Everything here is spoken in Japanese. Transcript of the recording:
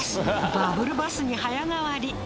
バブルバスに早変わり。